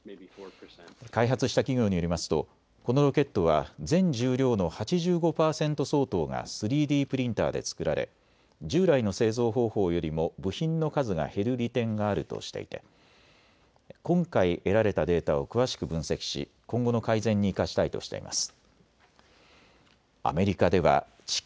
開発した企業によりますとこのロケットは全重量の８５％相当が３Ｄプリンターで作られ従来の製造方法よりも部品の数が減る利点があるとしていて今回得られたデータを詳しく分析し今後の改善に生かしたいとしています。